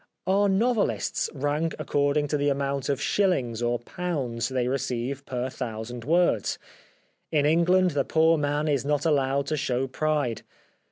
Our novelists rank according to the amount of shillings or pounds they receive per thousand words. In England the poor man is not allowed to show pride.